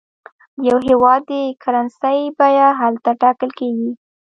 د یو هېواد د کرنسۍ بیه هلته ټاکل کېږي.